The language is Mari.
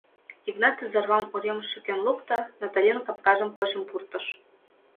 Йыгнат изорвам уремыш шӱкен лукто, Наталин капкажым почын пуртыш.